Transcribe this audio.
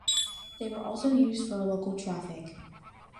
They were also used for a local traffic.